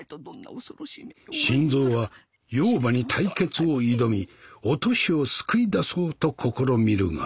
新蔵は妖婆に対決を挑みお敏を救い出そうと試みるが。